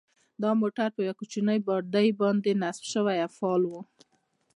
دا موټر په یوې کوچنۍ باډۍ باندې نصب شوی او فعال و.